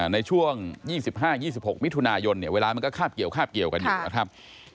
ในช่วง๒๕๒๖มิถุนายนเนี่ยเวลามันก็คาบเกี่ยวคาบเกี่ยวกันอยู่นะครับ